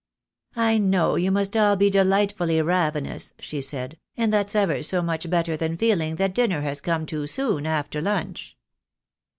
"I know you must all be delightfully ravenous," she said; "and that's ever so much better than feeling that dinner has come too soon after lunch."